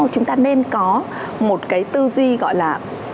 chúng ta nên có một cái tư duy gọi là